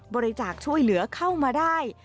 บริจาคช่วยเหลือเข้ามาได้